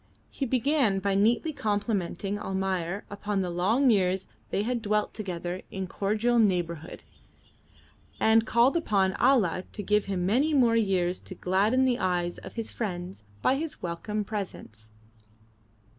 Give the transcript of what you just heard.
He began by neatly complimenting Almayer upon the long years they had dwelt together in cordial neighbourhood, and called upon Allah to give him many more years to gladden the eyes of his friends by his welcome presence.